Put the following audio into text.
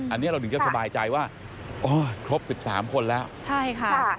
อันนี้เราก็จะสบายใจว่าโอ้ยครบสิบสามคนแล้วใช่ค่ะค่ะ